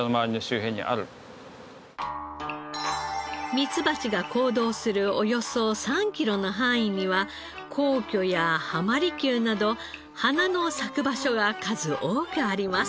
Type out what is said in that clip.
ミツバチが行動するおよそ３キロの範囲には皇居や浜離宮など花の咲く場所が数多くあります。